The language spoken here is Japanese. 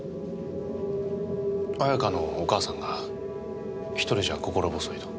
綾香のお母さんが一人じゃ心細いと。